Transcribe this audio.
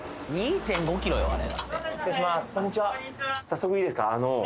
早速いいですか？